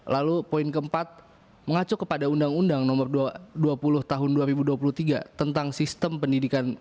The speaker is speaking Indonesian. lalu poin keempat mengacu kepada undang undang nomor dua puluh tahun dua ribu dua puluh tiga tentang sistem pendidikan